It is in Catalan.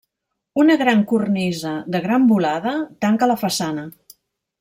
Una gran cornisa de gran volada tanca la façana.